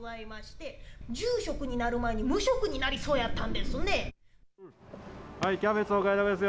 住職になる前に無職になりそうやったんですね。